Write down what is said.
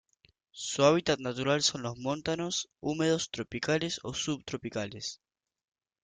Su hábitat natural son los Montanos húmedos tropicales o subtropicales.